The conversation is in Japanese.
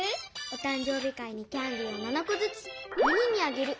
「おたん生日会にキャンディーを７こずつ４人にあげる。